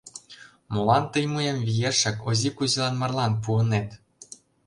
Молан тый мыйым виешак Ози Кузилан марлан пуынет?